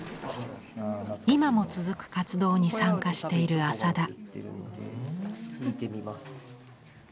今も続く活動に参加している浅田。